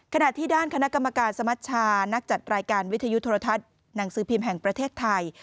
ขณะที่ด้านคณะกรรมการสมัชชานักจัดรายการวิทยุโทรทัศน์หนังสือพิมพ์แห่งประเทศไทย